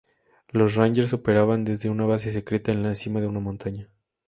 Los Rangers operaban desde una base secreta en la cima de una montaña.